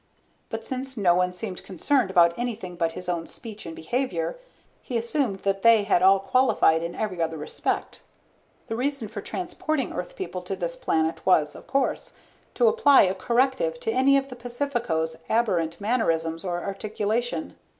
But since no one seemed concerned about anything but his own speech and behavior, he assumed that they had all qualified in every other respect. The reason for transporting Earth People to this planet was, of course, to apply a corrective to any of the Pacificos' aberrant mannerisms or articulation.